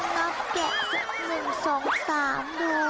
เดี๋ยวจะลองนับแกะหนึ่งสองสามดู